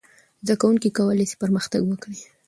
زده کوونکي کولای سي پرمختګ وکړي.